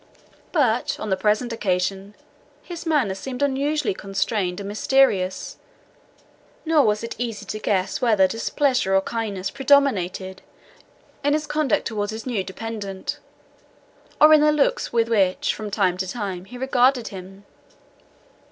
But on the present occasion his manner seemed unusually constrained and mysterious; nor was it easy to guess whether displeasure or kindness predominated in his conduct towards his new dependant, or in the looks with which, from time to time, he regarded him.